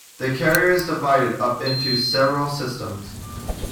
The carrier is divided up into several systems.